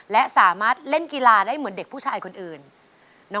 และสามารถเล่นกีฬาได้เหมือนเด็กผู้ชายคนอื่น